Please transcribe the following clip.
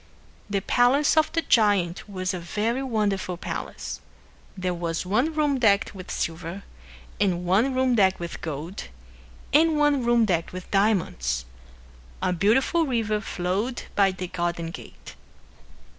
The palace of the giant was a very wonderful palace. There was one room decked with silver, and one room decked with gold, and one room decked with diamonds. A beautiful river flowed by the garden gate.